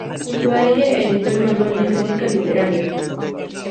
Junto a ella editó el manual de "Crítica literaria".